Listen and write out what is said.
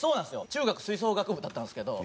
中学吹奏楽部だったんですけど。